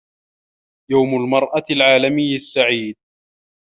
يوم المرأة العالمي السعيد.